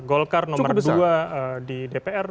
golkar nomor dua di dpr